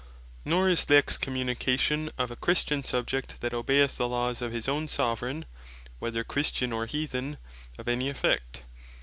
Nor is the Excommunication of a Christian Subject, that obeyeth the laws of his own Soveraign, whether Christian, or Heathen, of any effect.